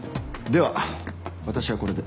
では私はこれで。